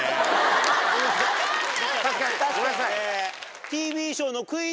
確かにごめんなさい。